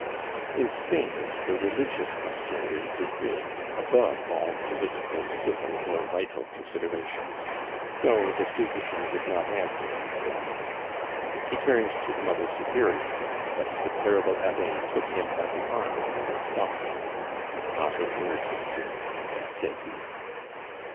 In Spain the religious question is supreme, above all political, civil, or vital considerations; so the physician did not answer the Spaniard. He turned to the Mother Superior, but the terrible Abbe took him by the arm and stopped him. "Not a word, monsieur!" said he.